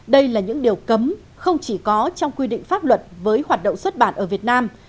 đây là những điều cấm không chỉ có trong quy định pháp luật với hoạt động xuất bản ở việt nam